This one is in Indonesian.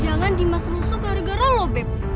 jangan jangan dimas rusuk gara gara lo bebek